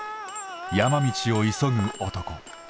山道を急ぐ男。